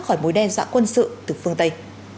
khỏi mối đe dọa quân sự từ phương tây